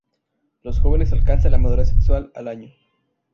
Los jóvenes alcanzan la madurez sexual al año.